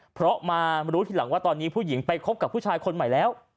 เพราะมารู้ทีหลังว่าตอนนี้ผู้หญิงไปคบกับผู้ชายคนใหม่แล้ว